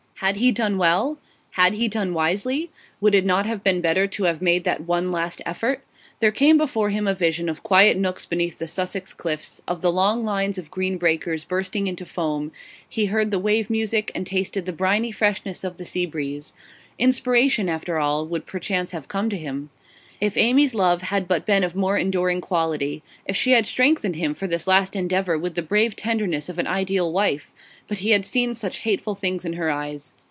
Had he done well? Had he done wisely? Would it not have been better to have made that one last effort? There came before him a vision of quiet nooks beneath the Sussex cliffs, of the long lines of green breakers bursting into foam; he heard the wave music, and tasted the briny freshness of the sea breeze. Inspiration, after all, would perchance have come to him. If Amy's love had but been of more enduring quality; if she had strengthened him for this last endeavour with the brave tenderness of an ideal wife! But he had seen such hateful things in her eyes.